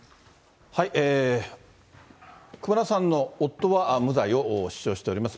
熊田さんの夫は無罪を主張しております。